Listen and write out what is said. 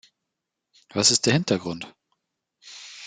Was ist der Hintergrund?